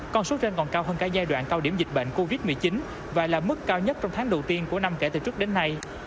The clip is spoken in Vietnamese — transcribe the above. con số trên còn cao hơn cả giai đoạn cao điểm dịch bệnh covid một mươi chín và là mức cao nhất trong tháng đầu tiên của năm kể từ trước đến nay